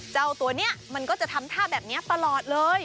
เจ้าตัวนี้มันก็จะทำท่าแบบนี้ตลอดเลย